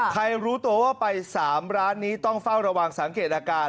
รู้ตัวว่าไป๓ร้านนี้ต้องเฝ้าระวังสังเกตอาการ